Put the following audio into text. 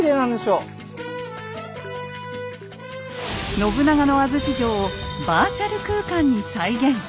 信長の安土城をバーチャル空間に再現。